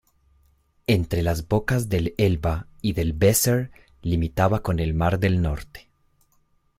Entre las bocas del Elba y del Weser limitaba con el mar del Norte.